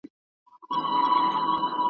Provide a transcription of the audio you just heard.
زوى دا ستا په شاني ښايي ابليس پلار ته ,